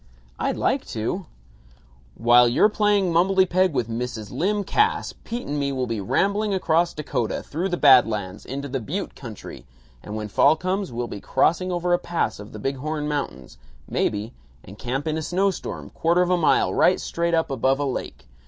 "I'd like to." "While you're playing mumblety peg with Mrs. Lym Cass, Pete and me will be rambling across Dakota, through the Bad Lands, into the butte country, and when fall comes, we'll be crossing over a pass of the Big Horn Mountains, maybe, and camp in a snow storm, quarter of a mile right straight up above a lake.